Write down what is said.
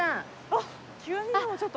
あっ急にもうちょっと。